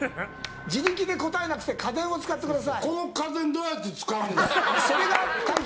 自力で答えないで家電を使ってください。